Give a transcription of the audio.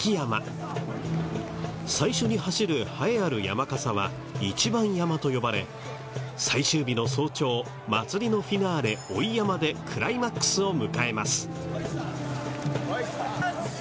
最初に走る栄えある山笠は一番山笠と呼ばれ最終日の早朝祭りのフィナーレ追い山笠でクライマックスを迎えます。